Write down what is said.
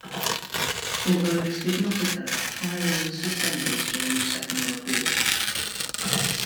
Although this did not occur, firing was suspended during the Second World War.